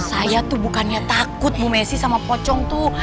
saya tuh bukannya takut bu messi sama pocong tuh